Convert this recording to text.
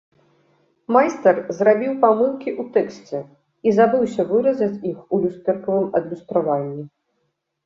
Майстар зрабіў памылкі ў тэксце і забыўся выразаць іх у люстэркавым адлюстраванні.